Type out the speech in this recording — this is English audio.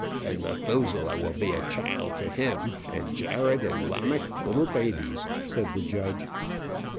"Then Methuselah will be a child to him, and Jared and Lamech little babies," said the judge.